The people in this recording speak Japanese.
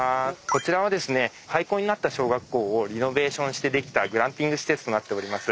こちらは廃校になった小学校をリノベーションしてできたグランピング施設となっております。